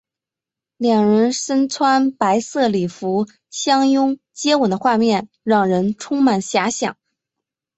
两人身穿白色礼服相拥接吻的画面让人充满遐想。